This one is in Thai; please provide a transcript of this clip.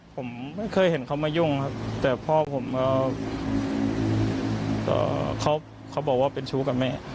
ผมไม่เคยเห็นเขามายุ่งครับแต่พ่อผมเขาบอกว่าเป็นชู้กับแม่